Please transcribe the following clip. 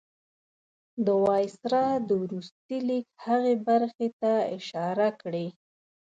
د وایسرا د وروستي لیک هغې برخې ته اشاره کړې.